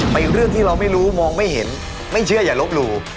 อีกเรื่องที่เราไม่รู้มองไม่เห็นไม่เชื่ออย่าลบหลู่